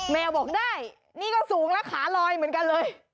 แมวบอกได้นี่ก็สูงแล้วขาลอยเหมือนกันเลย